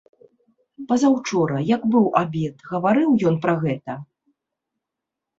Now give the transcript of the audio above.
Пазаўчора, як быў абед, гаварыў ён пра гэта?